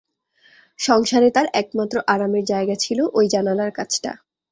সংসারে তার একমাত্র আরামের জায়গা ছিল ঐ জানালার কাছটা।